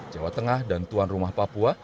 jawa tengah dan tuan rumah papua